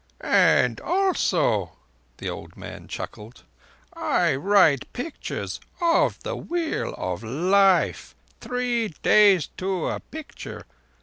"And also," the old man chuckled, "I write pictures of the Wheel of Life. Three days to a picture.